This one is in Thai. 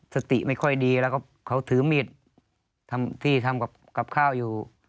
สติไม่ค่อยดีแล้วก็เขาถือมีดทำที่ทำกับข้าวอยู่